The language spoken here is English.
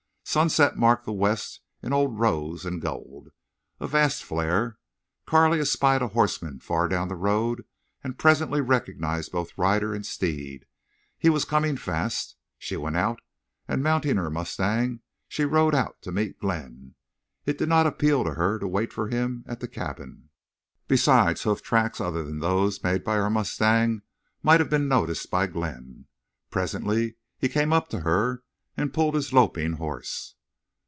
Sunset marked the west in old rose and gold, a vast flare. Carley espied a horseman far down the road, and presently recognized both rider and steed. He was coming fast. She went out and, mounting her mustang, she rode out to meet Glenn. It did not appeal to her to wait for him at the cabin; besides hoof tracks other than those made by her mustang might have been noticed by Glenn. Presently he came up to her and pulled his loping horse.